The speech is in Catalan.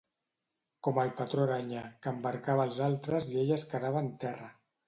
Com el patró Aranya, que embarcava els altres i ell es quedava en terra.